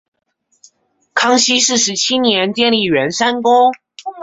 康熙四十七年建立圆山宫。